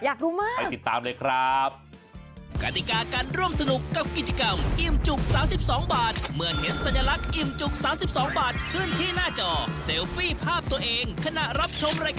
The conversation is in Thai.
อยากรู้มากไปติดตามเลยครับ